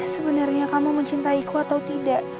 sebenarnya kamu mencintaiku atau tidak